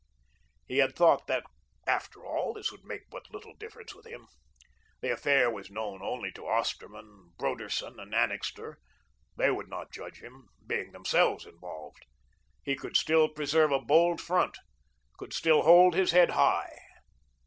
He had thought that, after all, this would make but little difference with him. The affair was known only to Osterman, Broderson, and Annixter; they would not judge him, being themselves involved. He could still preserve a bold front; could still hold his head high.